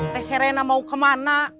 t serena mau kemana